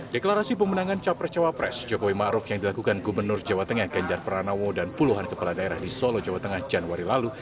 deklarasi pemenangan capres cawapres jokowi ⁇ maruf ⁇ yang dilakukan gubernur jawa tengah ganjar pranowo dan puluhan kepala daerah di solo jawa tengah januari lalu